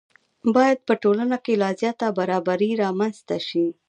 باید په ټولنه کې لا زیاته برابري رامنځته شي.